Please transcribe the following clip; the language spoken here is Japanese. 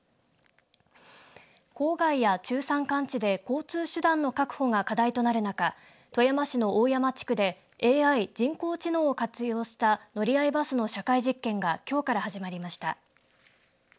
郊外や中山間地で交通手段の確保が課題となる中富山市の大山地区でＡＩ、人工知能を活用した乗り合いバスの社会実験がきょうから始まりました。